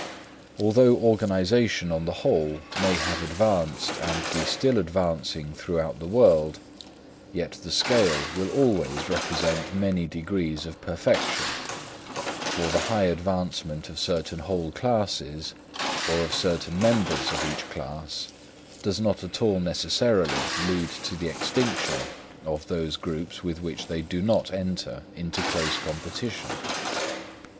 Although organisation, on the whole, may have advanced and be still advancing throughout the world, yet the scale will always present many degrees of perfection; for the high advancement of certain whole classes, or of certain members of each class, does not at all necessarily lead to the extinction of those groups with which they do not enter into close competition.